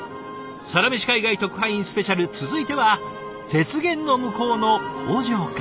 「サラメシ海外特派員スペシャル」続いては雪原の向こうの工場から。